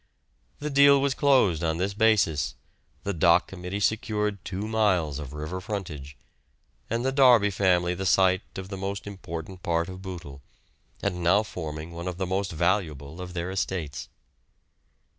The deal was closed on this basis, the Dock Committee secured two miles of river frontage, and the Derby family the site of the most important part of Bootle, and now forming one of the most valuable of their estates.